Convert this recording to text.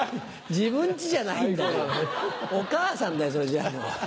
自分家じゃないんだからお母さんだよそれじゃあ。